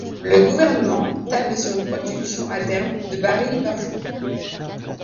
Le gouvernement table sur une production à terme de barils par jour.